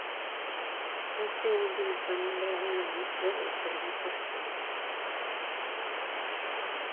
Este último fue nombrado Ministro de Servicio Público.